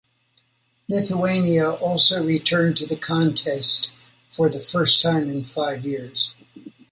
Lithuania also returned to the Contest for the first time in five years.